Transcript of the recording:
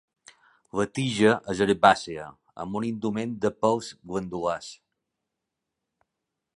La tija és herbàcia, amb un indument de pèls glandulars.